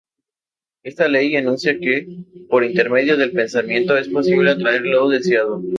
Esta ley enuncia que, por intermedio del pensamiento, es posible atraer lo deseado.